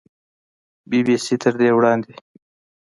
بي بي سي تر دې وړاندې